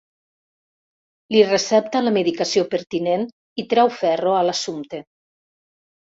Li recepta la medicació pertinent i treu ferro a l'assumpte.